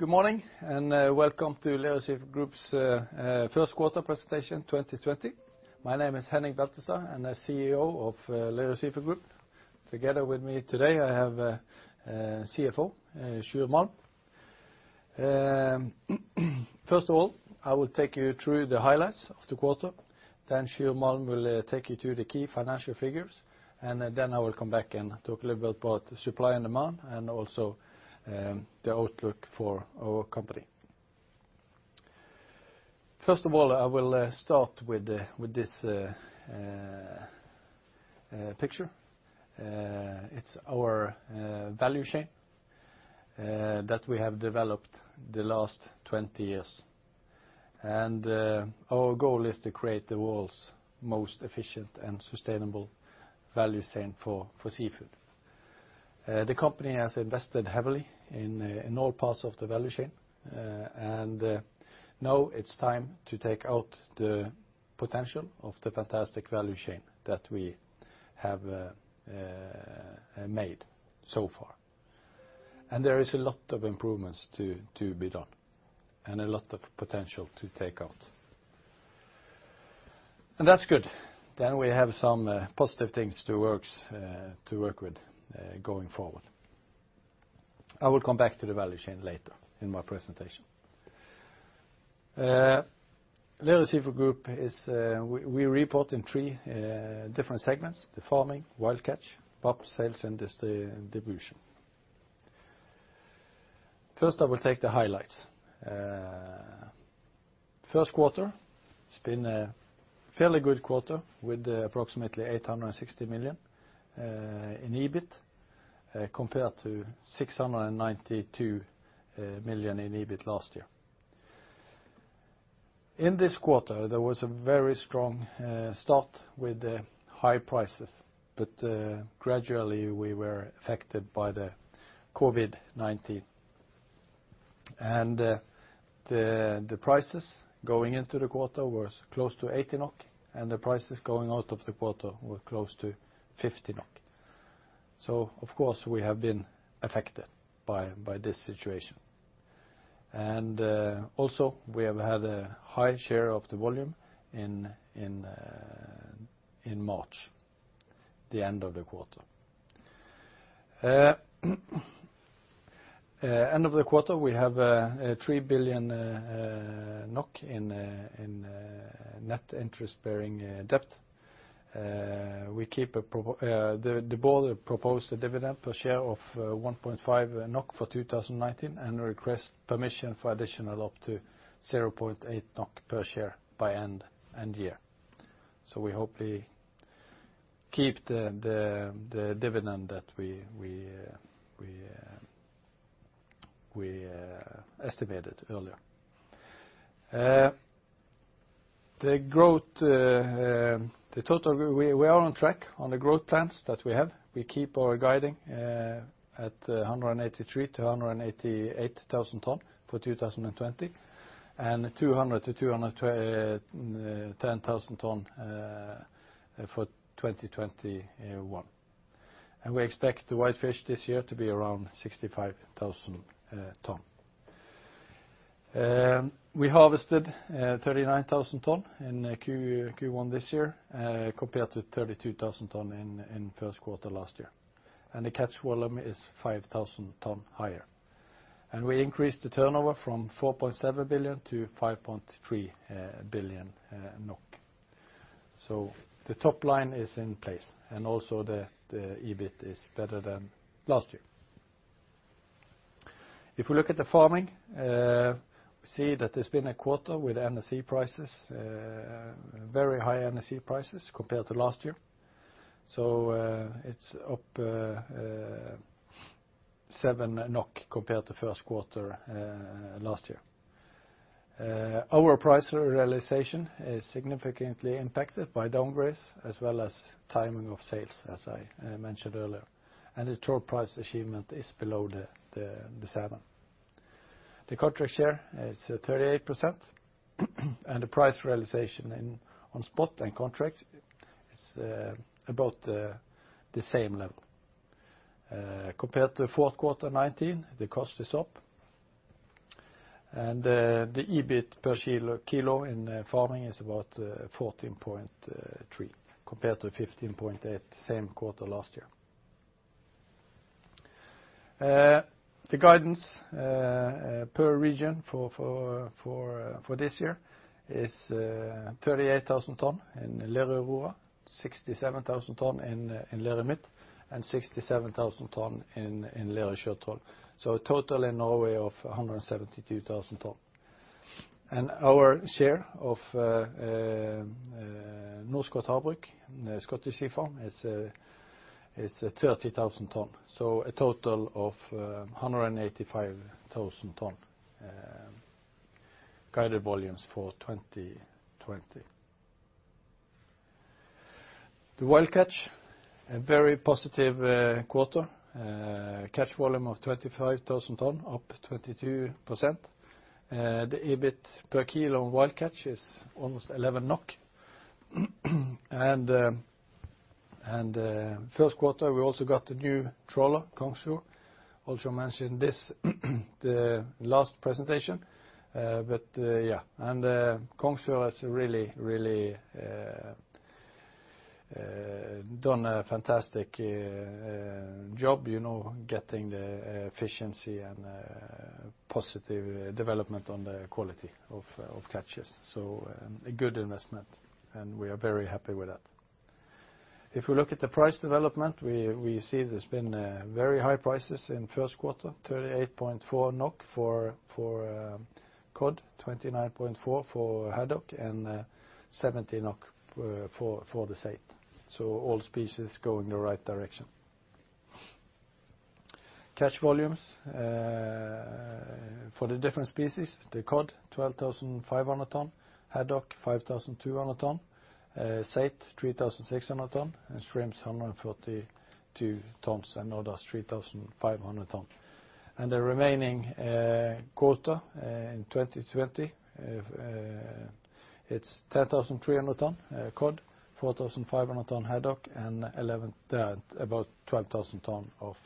Good morning and welcome to Lerøy Seafood Group's First Quarter Presentation, 2020. My name is Henning Beltestad, and I'm the CEO of Lerøy Seafood Group. Together with me today, I have CFO, Sjur Malm. First of all, I will take you through the highlights of the quarter. Then Sjur Malm will take you through the key financial figures. And then I will come back and talk a little bit about supply and demand, and also the outlook for our company. First of all, I will start with this picture. It's our value chain that we have developed the last 20 years. And our goal is to create the world's most efficient and sustainable value chain for seafood. The company has invested heavily in all parts of the value chain. And now it's time to take out the potential of the fantastic value chain that we have made so far. There is a lot of improvements to be done and a lot of potential to take out. That's good. We have some positive things to work with going forward. I will come back to the value chain later in my presentation. Lerøy Seafood Group, we report in three different segments: the farming, wild catch, and VAP. First, I will take the highlights. First quarter has been a fairly good quarter with approximately 860 million NOK in EBIT compared to 692 million NOK in EBIT last year. In this quarter, there was a very strong start with high prices. Gradually, we were affected by the COVID-19. The prices going into the quarter were close to 80 NOK, and the prices going out of the quarter were close to 50 NOK. Of course, we have been affected by this situation. And also, we have had a high share of the volume in March, the end of the quarter. End of the quarter, we have 3 billion NOK in net interest-bearing debt. The board proposed a dividend per share of 1.5 NOK for 2019 and requested permission for additional up to 0.8 NOK per share by end year. So we hope we keep the dividend that we estimated earlier. The total we are on track on the growth plans that we have. We keep our guiding at 183,000-188,000 tonnes for 2020 and 200,000-210,000 tonnes for 2021. And we expect the whitefish this year to be around 65,000 tonnes. We harvested 39,000 tonnes in Q1 this year compared to 32,000 tonnes in first quarter last year. And the catch volume is 5,000 tonnes higher. And we increased the turnover from 4.7-5.3 billion NOK. So the top line is in place, and also the EBIT is better than last year. If we look at the farming, we see that there's been a quarter with energy prices, very high energy prices compared to last year. So it's up 7 NOK compared to first quarter last year. Our price realization is significantly impacted by downgrades as well as timing of sales, as I mentioned earlier. And the total price achievement is below the 7. The contract share is 38%. And the price realization on spot and contract is about the same level. Compared to fourth quarter 2019, the cost is up. And the EBIT per kilo in farming is about 14.3 compared to 15.8 same quarter last year. The guidance per region for this year is 38,000 tonnes in Lerøy Aurora, 67,000 tonnes in Lerøy Midt, and 67,000 tonnes in Lerøy Sjøtroll. A total in Norway of 172,000 tonnes. Our share of Norskott Havbruk, Scottish Sea Farms, is 30,000 tonnes. A total of 185,000 tonnes guided volumes for 2020. The wild catch, a very positive quarter, catch volume of 25,000 tonnes, up 22%. The EBIT per kilo on wild catch is almost 11 NOK. In first quarter, we also got a new trawler, Kongsfjord. I'll mention this in the last presentation. Yeah, Kongsfjord has really, really done a fantastic job getting the efficiency and positive development on the quality of catches. It is a good investment, and we are very happy with that. If we look at the price development, we see there's been very high prices in first quarter: 38.4 NOK for cod, 29.4 NOK for haddock, and 70 NOK for the saithe. All species [are] going the right direction. Catch volumes for the different species, the cod, 12,500 tonnes, haddock, 5,200 tonnes, saithe, 3,600 tonnes, and shrimps, 142 tonnes, and others, 3,500 tonnes. And the remaining quarter in 2020, it's 10,300 tonnes, cod, 4,500 tonnes, haddock, and about 12,000 tonnes of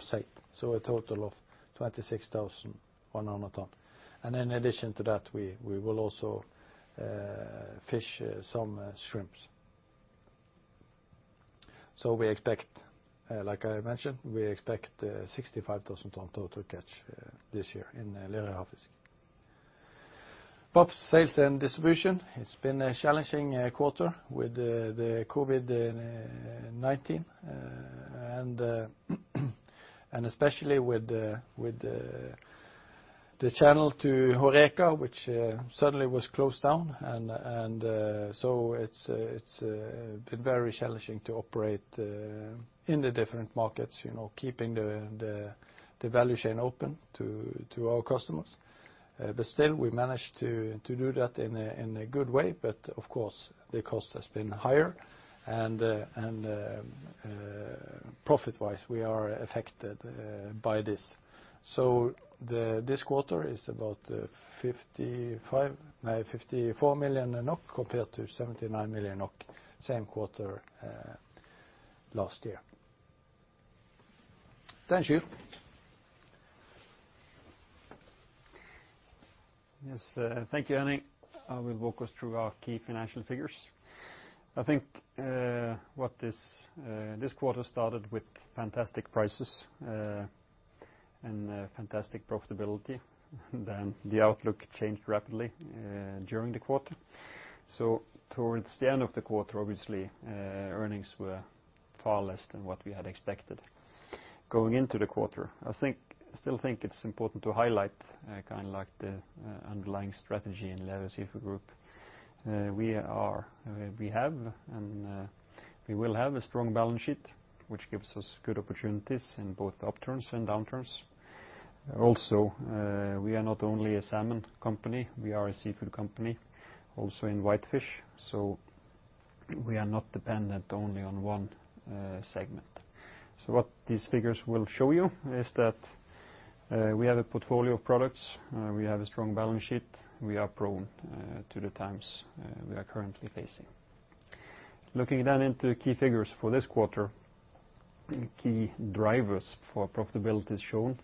saithe. So a total of 26,100 tonnes. And in addition to that, we will also fish some shrimps. So we expect, like I mentioned, we expect 65,000 tonnes total catch this year in Lerøy Havfisk. VAPS sales and distribution, it's been a challenging quarter with the COVID-19 and especially with the channel to Horeca, which suddenly was closed down. And so it's been very challenging to operate in the different markets, keeping the value chain open to our customers. But still, we managed to do that in a good way. But of course, the cost has been higher. And profit-wise, we are affected by this. So this quarter is about 54 million NOK compared to 79 million NOK, same quarter last year. Thank you. Yes, thank you, Henning. I will walk us through our key financial figures. I think what this quarter started with fantastic prices and fantastic profitability. Then the outlook changed rapidly during the quarter. So towards the end of the quarter, obviously, earnings were far less than what we had expected going into the quarter. I still think it's important to highlight kind of like the underlying strategy in Lerøy Seafood Group. We have and we will have a strong balance sheet, which gives us good opportunities in both upturns and downturns. Also, we are not only a salmon company. We are a seafood company, also in whitefish. So we are not dependent only on one segment. So what these figures will show you is that we have a portfolio of products. We have a strong balance sheet. We are prone to the times we are currently facing. Looking then into key figures for this quarter, key drivers for profitability is shown.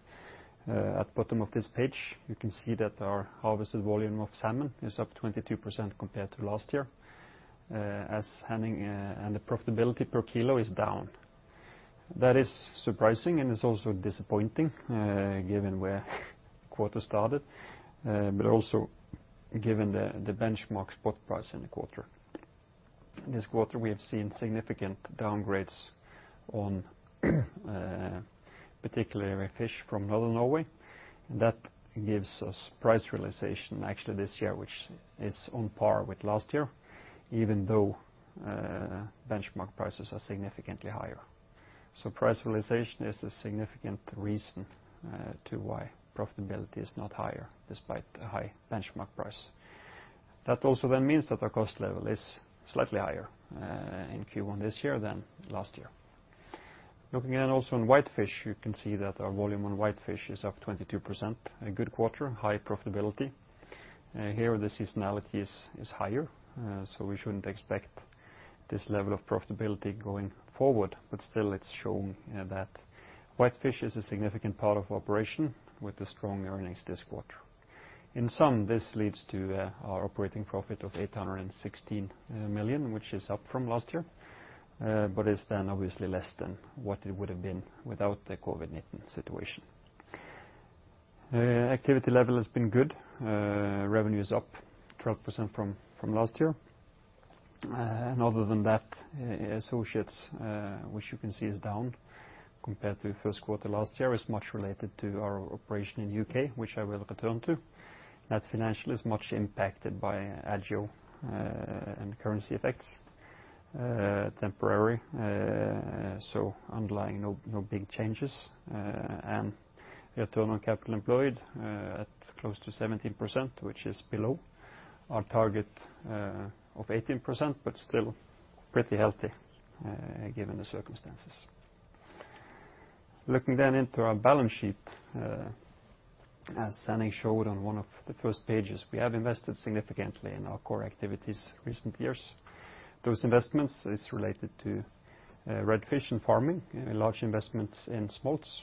At the bottom of this page, you can see that our harvested volume of salmon is up 22% compared to last year, as Henning and the profitability per kilo is down. That is surprising, and it's also disappointing given where quarter started, but also given the benchmark spot price in the quarter. This quarter, we have seen significant downgrades on particularly whitefish from northern Norway. That gives us price realization actually this year, which is on par with last year, even though benchmark prices are significantly higher. So price realization is a significant reason to why profitability is not higher despite the high benchmark price. That also then means that our cost level is slightly higher in Q1 this year than last year. Looking then also in whitefish, you can see that our volume on whitefish is up 22%. A good quarter, high profitability. Here, the seasonality is higher. So we shouldn't expect this level of profitability going forward. But still, it's showing that whitefish is a significant part of operation with the strong earnings this quarter. In sum, this leads to our operating profit of 816 million NOK, which is up from last year, but is then obviously less than what it would have been without the COVID-19 situation. Activity level has been good. Revenue is up 12% from last year. And other than that, associates, which you can see is down compared to first quarter last year, is much related to our operation in the U.K., which I will return to. That financially is much impacted by VAP and currency effects, temporary, so underlying, no big changes and return on capital employed at close to 17%, which is below our target of 18%, but still pretty healthy given the circumstances. Looking then into our balance sheet, as Henning showed on one of the first pages, we have invested significantly in our core activities recent years. Those investments are related to wild catch and farming, large investments in smolts.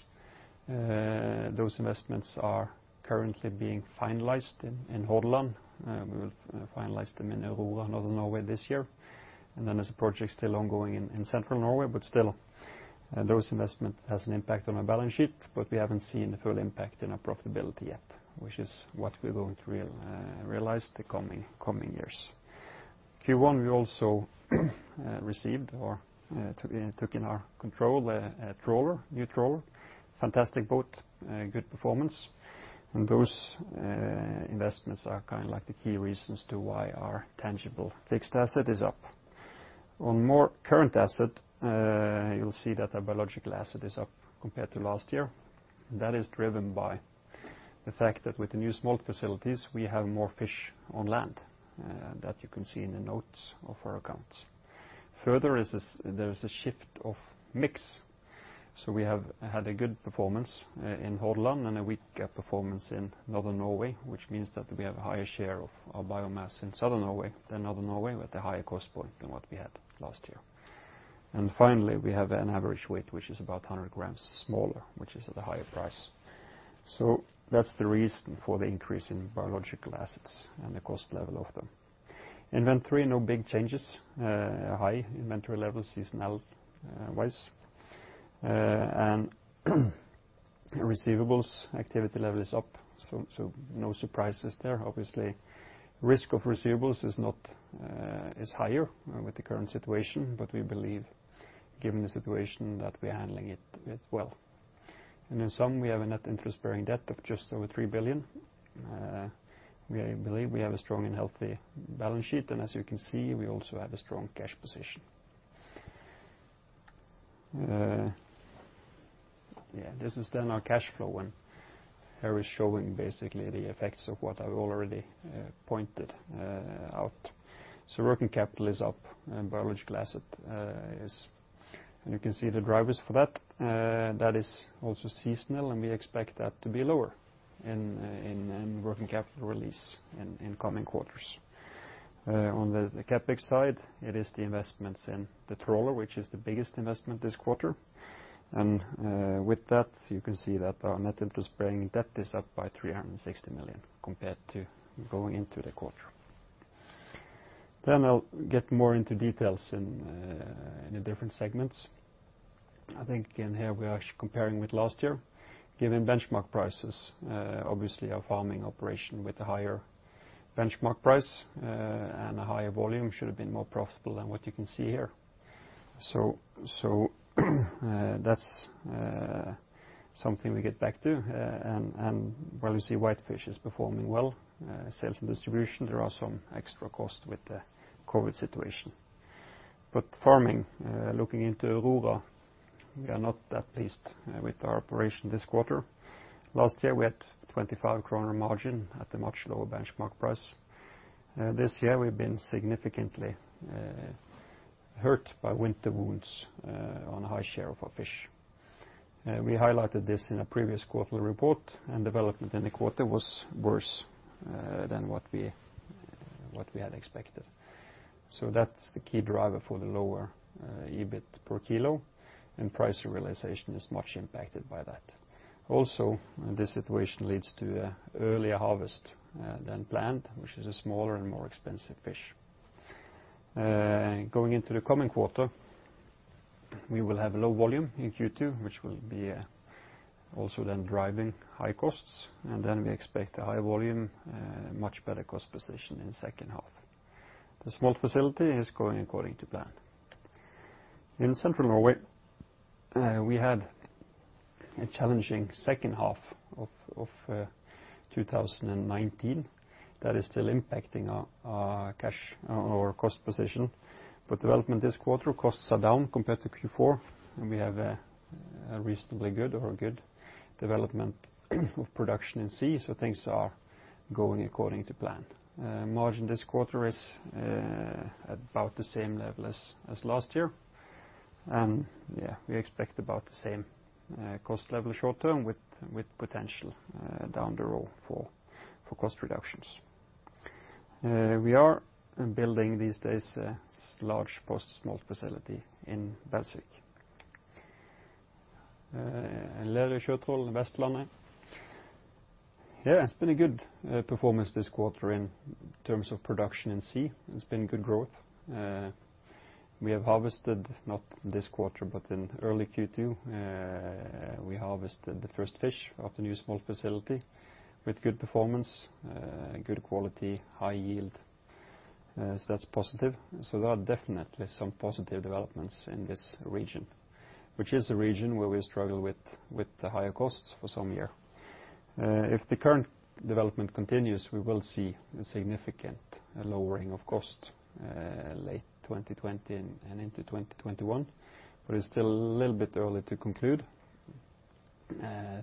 Those investments are currently being finalized in Hordaland. We will finalize them in Aurora, northern Norway, this year and then there's a project still ongoing in central Norway, but still, those investments have an impact on our balance sheet, but we haven't seen the full impact in our profitability yet, which is what we're going to realize the coming years. Q1, we also received or took in our control a trawler, new trawler, fantastic boat, good performance. Those investments are kind of like the key reasons to why our tangible fixed asset is up. On more current asset, you'll see that our biological asset is up compared to last year. That is driven by the fact that with the new smolt facilities, we have more fish on land. That you can see in the notes of our accounts. Further, there's a shift of mix. We have had a good performance in Hordaland and a weak performance in northern Norway, which means that we have a higher share of our biomass in southern Norway than northern Norway, with a higher cost point than what we had last year. Finally, we have an average weight, which is about 100 grams smaller, which is at a higher price. So that's the reason for the increase in biological assets and the cost level of them. Inventory, no big changes, high inventory level seasonal-wise. And receivables, activity level is up. So no surprises there. Obviously, risk of receivables is higher with the current situation, but we believe, given the situation, that we're handling it well. And in sum, we have a net interest-bearing debt of just over 3 billion. We believe we have a strong and healthy balance sheet. And as you can see, we also have a strong cash position. Yeah, this is then our cash flow. And here is showing basically the effects of what I already pointed out. So working capital is up, biological asset is. And you can see the drivers for that. That is also seasonal, and we expect that to be lower in working capital release in coming quarters. On the CapEx side, it is the investments in the trawler, which is the biggest investment this quarter, and with that, you can see that our net interest-bearing debt is up by 360 million compared to going into the quarter, then I'll get more into details in the different segments. I think in here, we are comparing with last year. Given benchmark prices, obviously, our farming operation with a higher benchmark price and a higher volume should have been more profitable than what you can see here, so that's something we get back to, and while you see whitefish is performing well, sales and distribution, there are some extra costs with the COVID situation, but farming, looking into Aurora, we are not that pleased with our operation this quarter. Last year, we had 25 kroner margin at a much lower benchmark price. This year, we've been significantly hurt by winter wounds on a high share of our fish. We highlighted this in a previous quarterly report, and development in the quarter was worse than what we had expected, so that's the key driver for the lower EBIT per kilo, and price realization is much impacted by that. Also, this situation leads to an earlier harvest than planned, which is a smaller and more expensive fish. Going into the coming quarter, we will have a low volume in Q2, which will be also then driving high costs, and then we expect a high volume, much better cost position in the second half. The smolt facility is going according to plan. In central Norway, we had a challenging second half of 2019 that is still impacting our cost position, but development this quarter, costs are down compared to Q4. We have a reasonably good or good development of production in sea. Things are going according to plan. Margin this quarter is about the same level as last year. Yeah, we expect about the same cost level short term with potential down the road for cost reductions. We are building these days a large post-smolt facility in Belsvik. Lerøy Seafood Group, Vestlandet. Yeah, it's been a good performance this quarter in terms of production in sea. It's been good growth. We have harvested, not this quarter, but in early Q2, we harvested the first fish of the new smolt facility with good performance, good quality, high yield. That's positive. There are definitely some positive developments in this region, which is a region where we struggle with the higher costs for some years. If the current development continues, we will see a significant lowering of cost late 2020 and into 2021, but it's still a little bit early to conclude.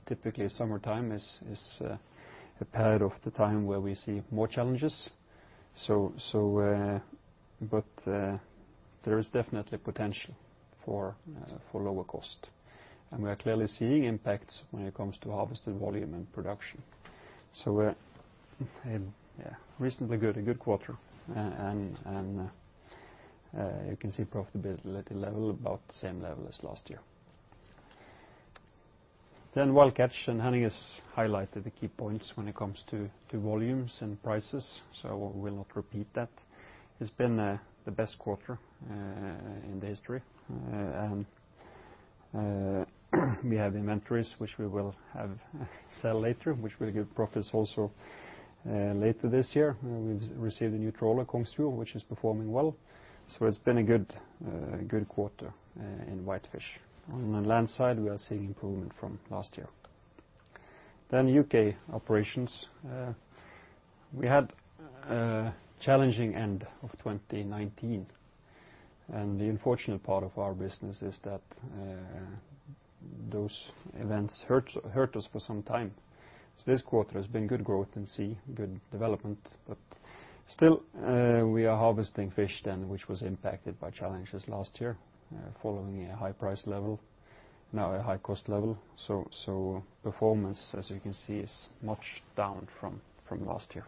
Typically, summertime is a period of the time where we see more challenges, but there is definitely potential for lower cost, and we are clearly seeing impacts when it comes to harvested volume and production, so yeah, reasonably good, a good quarter, and you can see profitability level about the same level as last year, then wild catch and Henning has highlighted the key points when it comes to volumes and prices, so we'll not repeat that. It's been the best quarter in the history, and we have inventories, which we will have sell later, which will give profits also later this year. We've received a new trawler, Kongsfjord, which is performing well, so it's been a good quarter in whitefish. On the land side, we are seeing improvement from last year. Then, UK operations. We had a challenging end of 2019, and the unfortunate part of our business is that those events hurt us for some time, so this quarter has been good growth in sea, good development, but still, we are harvesting fish then, which was impacted by challenges last year following a high price level, now a high cost level, so performance, as you can see, is much down from last year.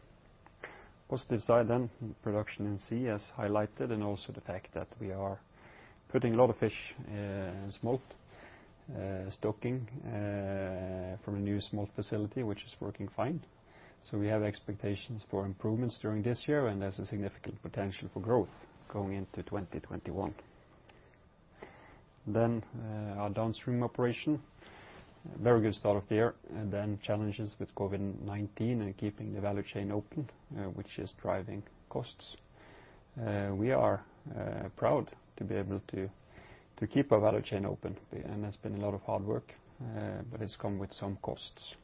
Positive side then, production in sea as highlighted, and also the fact that we are putting a lot of fish and smolt stocking from a new smolt facility, which is working fine, so we have expectations for improvements during this year and there's a significant potential for growth going into 2021, then our downstream operation, very good start of the year. And then challenges with COVID-19 and keeping the value chain open, which is driving costs. We are proud to be able to keep our value chain open. And there's been a lot of hard work, but it's come with some costs.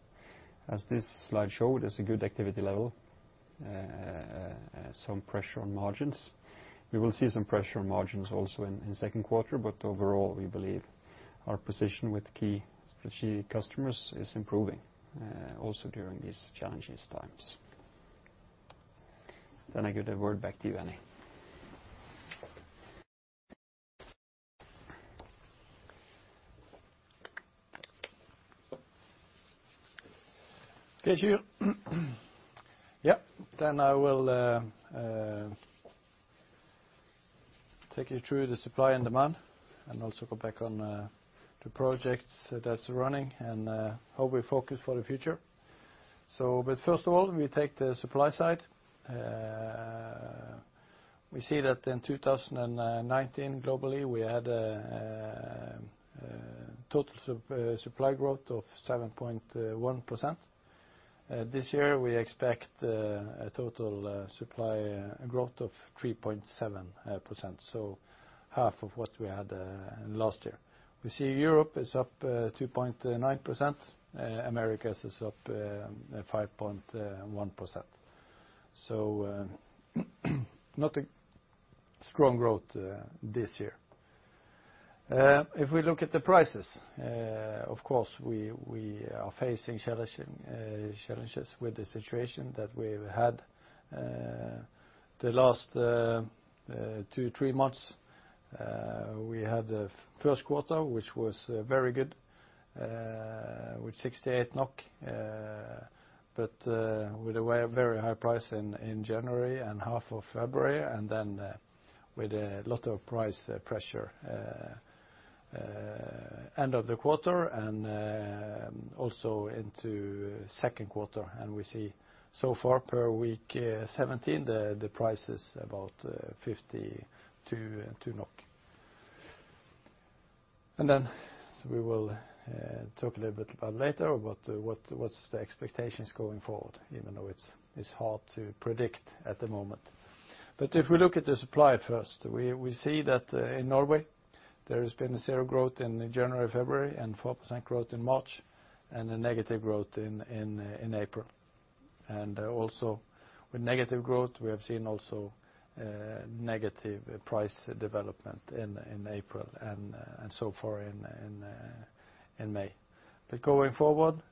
As this slide showed, there's a good activity level, some pressure on margins. We will see some pressure on margins also in second quarter. But overall, we believe our position with key strategic customers is improving also during these challenging times. Then I give the word back to you, Henning. Okay, yeah. Then I will take you through the supply and demand and also go back on the projects that's running and how we focus for the future. But first of all, we take the supply side. We see that in 2019, globally, we had a total supply growth of 7.1%. This year, we expect a total supply growth of 3.7%, so half of what we had last year. We see Europe is up 2.9%. America is up 5.1%, so not a strong growth this year. If we look at the prices, of course, we are facing challenges with the situation that we've had the last two, three months. We had the first quarter, which was very good, with 68 NOK, but with a very high price in January and half of February. And then with a lot of price pressure end of the quarter and also into second quarter. And we see so far per week 17, the price is about 52. And then we will talk a little bit later about what's the expectations going forward, even though it's hard to predict at the moment. But if we look at the supply first, we see that in Norway, there has been a zero growth in January and February and 4% growth in March and a negative growth in April. And also with negative growth, we have seen also negative price development in April and so far in May. But going forward,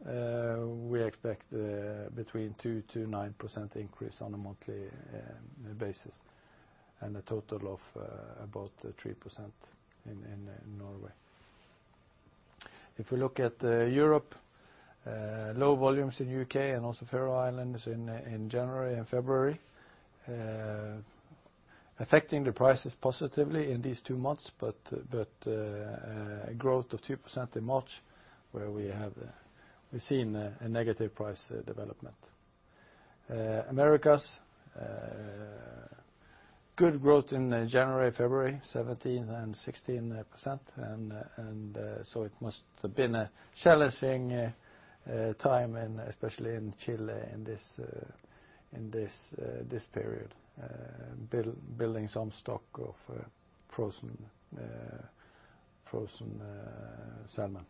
we expect between 2% to 9% increase on a monthly basis and a total of about 3% in Norway. If we look at Europe, low volumes in U.K. and also Faroe Islands in January and February affecting the prices positively in these two months, but a growth of 2% in March where we have seen a negative price development. America's good growth in January, February, 17% and 16%. And so it must have been a challenging time, especially in Chile in this period, building some stock of frozen salmon.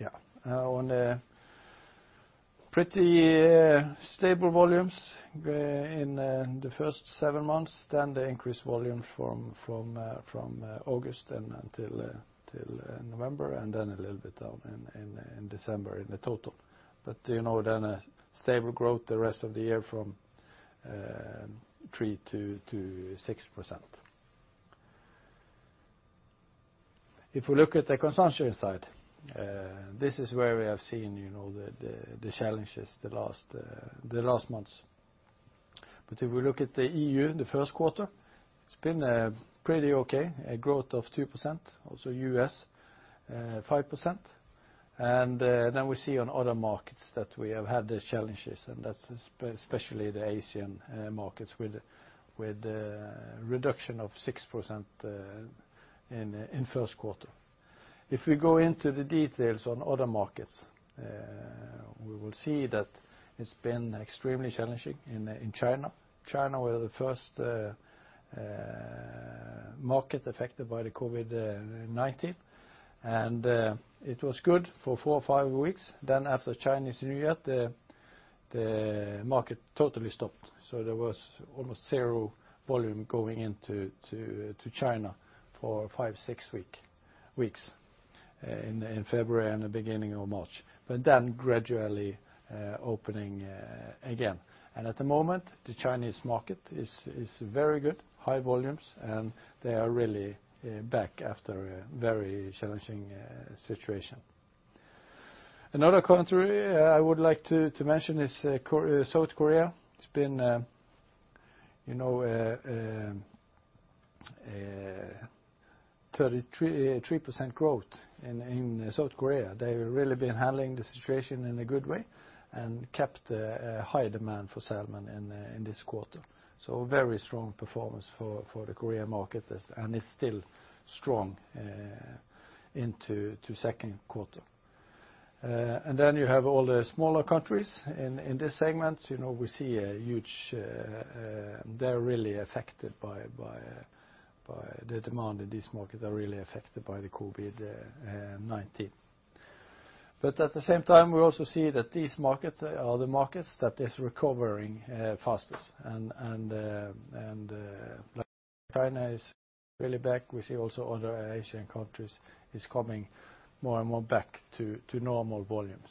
Yeah. On the pretty stable volumes in the first seven months, then the increased volume from August until November and then a little bit down in December in the total. But then a stable growth the rest of the year from 3%-6%. If we look at the consumption side, this is where we have seen the challenges the last months. But if we look at the EU, the first quarter, it's been pretty okay, a growth of 2%. Also U.S., 5%. And then we see on other markets that we have had challenges, and that's especially the Asian markets with a reduction of 6% in first quarter. If we go into the details on other markets, we will see that it's been extremely challenging in China. China were the first market affected by the COVID-19. And it was good for four or five weeks. Then, after Chinese New Year, the market totally stopped. So there was almost zero volume going into China for five, six weeks in February and the beginning of March. But then gradually opening again. And at the moment, the Chinese market is very good, high volumes, and they are really back after a very challenging situation. Another country I would like to mention is South Korea. It's been 33% growth in South Korea. They've really been handling the situation in a good way and kept a high demand for salmon in this quarter. So very strong performance for the Korean market and is still strong into second quarter. And then you have all the smaller countries in this segment. We see a huge, they're really affected by the demand in this market. They're really affected by the COVID-19. At the same time, we also see that these markets are the markets that are recovering fastest. Like China is really back. We see also other Asian countries are coming more and more back to normal volumes.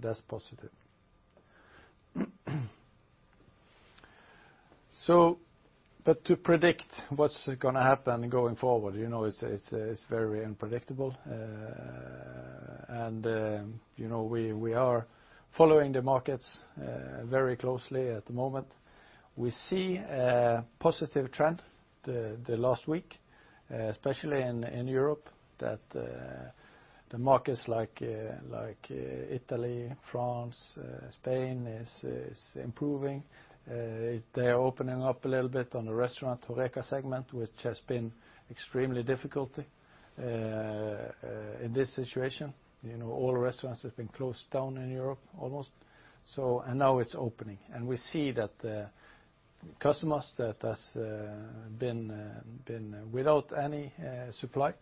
That's positive. To predict what's going to happen going forward, it's very unpredictable. We are following the markets very closely at the moment. We see a positive trend the last week, especially in Europe, that the markets like Italy, France, Spain are improving. They are opening up a little bit on the restaurant Horeca segment, which has been extremely difficult in this situation. All restaurants have been closed down in Europe almost. Now it's opening. We see that customers that have been without any supply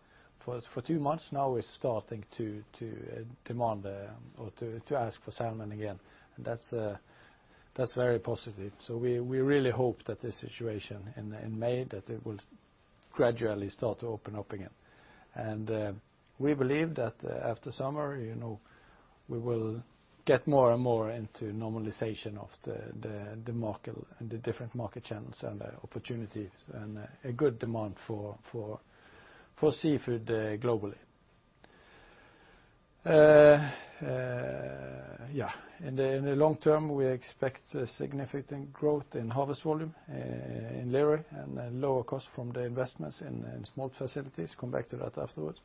for two months now are starting to demand or to ask for salmon again. That's very positive. So we really hope that this situation in May, that it will gradually start to open up again. And we believe that after summer, we will get more and more into normalization of the market and the different market channels and opportunities and a good demand for seafood globally. Yeah. In the long term, we expect significant growth in harvest volume in Lerøy and lower cost from the investments in smolt facilities. Come back to that afterwards.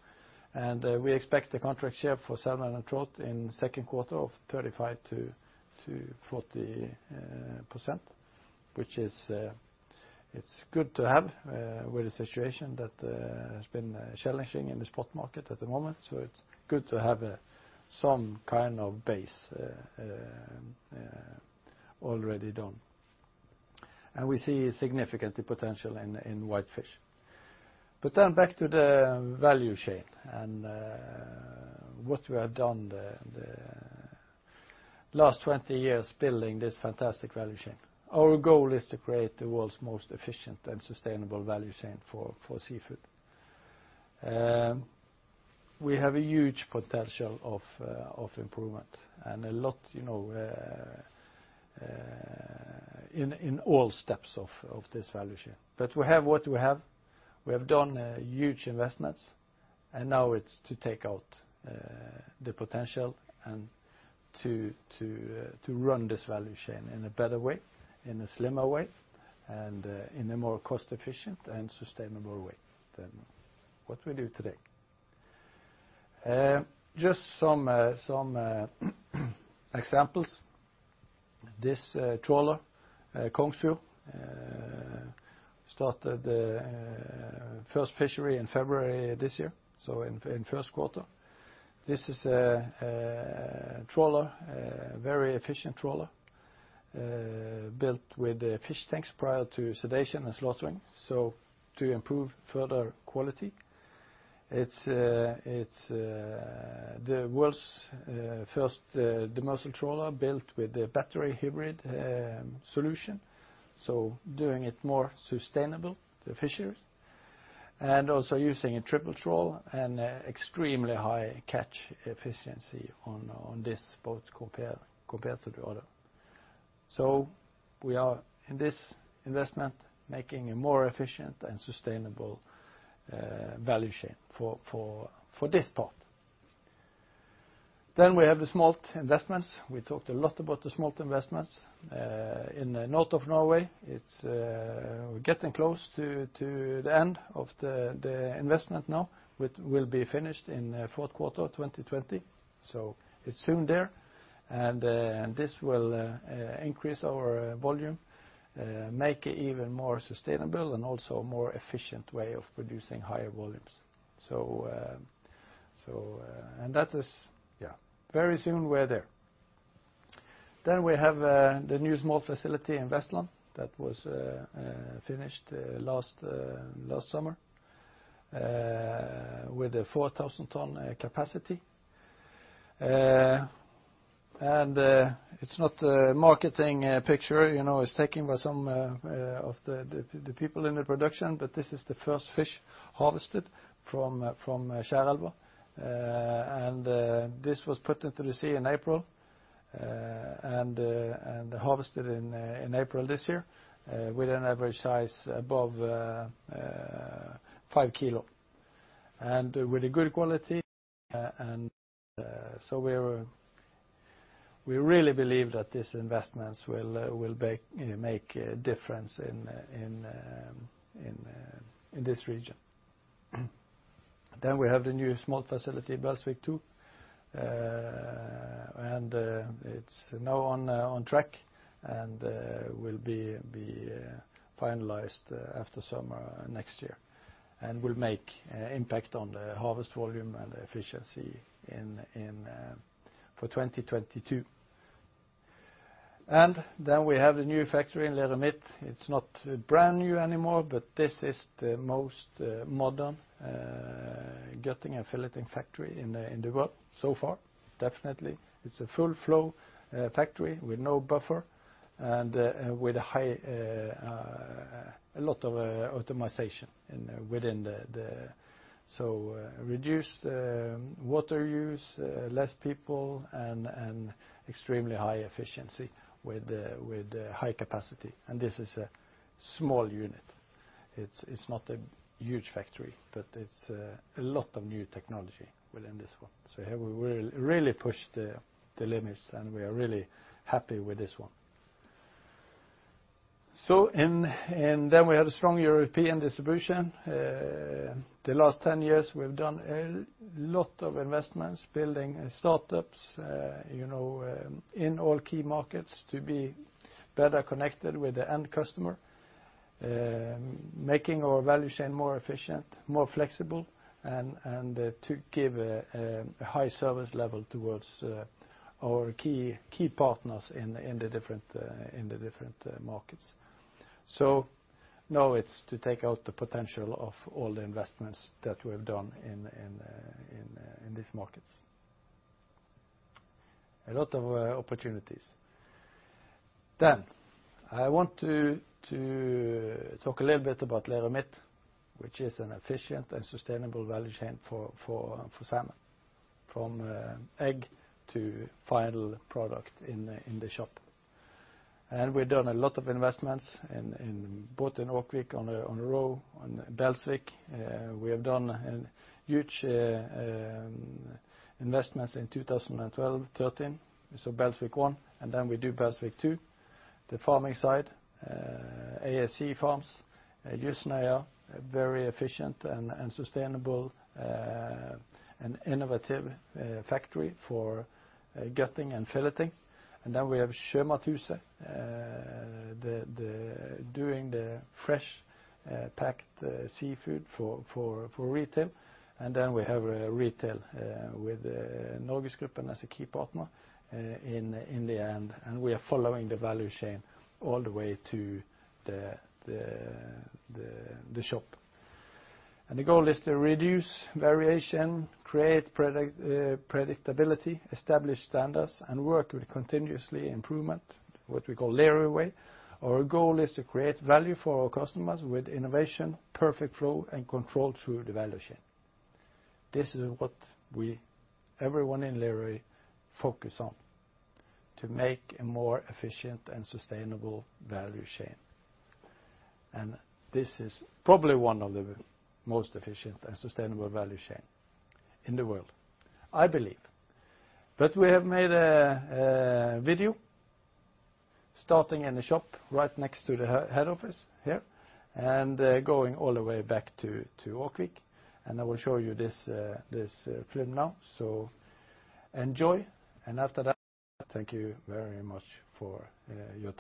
And we expect the contract share for salmon and trout in second quarter of 35%-40%, which is good to have with the situation that has been challenging in the spot market at the moment. So it's good to have some kind of base already done. And we see significant potential in whitefish. But then back to the value chain and what we have done the last 20 years building this fantastic value chain. Our goal is to create the world's most efficient and sustainable value chain for seafood. We have a huge potential of improvement and a lot in all steps of this value chain. But we have what we have. We have done huge investments. And now it's to take out the potential and to run this value chain in a better way, in a slimmer way, and in a more cost-efficient and sustainable way than what we do today. Just some examples. This trawler, Kongsfjord, started first fishery in February this year, so in first quarter. This is a trawler, a very efficient trawler built with fish tanks prior to sedation and slaughtering to improve further quality. It's the world's first demersal trawler built with a battery hybrid solution, so doing it more sustainable to fishers. And also using a triple trawl and extremely high catch efficiency on this boat compared to the other. So we are in this investment making a more efficient and sustainable value chain for this part. Then we have the smolt investments. We talked a lot about the smolt investments in the north of Norway. We're getting close to the end of the investment now. It will be finished in the fourth quarter of 2020. So it's soon there. And this will increase our volume, make it even more sustainable, and also a more efficient way of producing higher volumes. And that is, yeah, very soon we're there. Then we have the new small facility in Vestlandet that was finished last summer with a 4,000-ton capacity. And it's not a marketing picture. It's taken by some of the people in the production, but this is the first fish harvested from Kjærelva, and this was put into the sea in April and harvested in April this year with an average size above five kilos, and with a good quality, and so we really believe that these investments will make a difference in this region, then we have the new small facility in Belsvik 2, and it's now on track and will be finalized after summer next year and will make an impact on the harvest volume and efficiency for 2022, and then we have the new factory in Lerøy Midt. It's not brand new anymore, but this is the most modern gutting filleting factory in the world so far, definitely. It's a full-flow factory with no buffer and with a lot of automation within, so reduced water use, less people, and extremely high efficiency with high capacity. And this is a small unit. It's not a huge factory, but it's a lot of new technology within this one. So here we really pushed the limits, and we are really happy with this one. So then we have a strong European distribution. The last 10 years, we've done a lot of investments, building startups in all key markets to be better connected with the end customer, making our value chain more efficient, more flexible, and to give a high service level towards our key partners in the different markets. So now it's to take out the potential of all the investments that we've done in these markets. A lot of opportunities. Then I want to talk a little bit about Lerøy Midt, which is an efficient and sustainable value chain for salmon from egg to final product in the shop, and we've done a lot of investments both in Åkvik on the row and Belsvik. We have done huge investments in 2012, 2013, so Belsvik 1, and then we do Belsvik 2. The farming side, ASC Farms, Jøsnøya, very efficient and sustainable and innovative factory for gutting and filleting, and then we have Sjømathuset, doing the fresh packed seafood for retail, and then we have retail with NorgesGruppen as a key partner in the end, and we are following the value chain all the way to the shop, and the goal is to reduce variation, create predictability, establish standards, and work with continuously improvement, what we call Lerøy Way. Our goal is to create value for our customers with innovation, perfect flow, and control through the value chain. This is what everyone in Lerøy focuses on to make a more efficient and sustainable value chain. And this is probably one of the most efficient and sustainable value chains in the world, I believe. But we have made a video starting in the shop right next to the head office here and going all the way back to Åkvik. And I will show you this film now. So enjoy. And after that, thank you very much for your.